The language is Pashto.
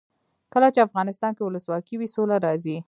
کله چې افغانستان کې ولسواکي وي سوله راځي.